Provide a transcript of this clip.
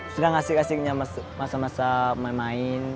sedang asik asiknya masa masa main main